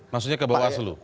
maksudnya ke bawaslu